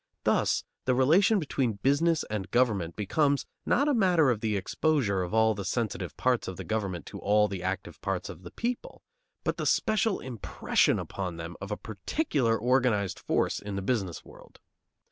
Thus the relation between business and government becomes, not a matter of the exposure of all the sensitive parts of the government to all the active parts of the people, but the special impression upon them of a particular organized force in the business world.